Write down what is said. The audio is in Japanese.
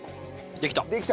できた。